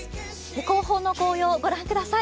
後方の紅葉、御覧ください。